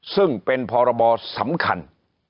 ซึ่งเป็นพรบสำคัญ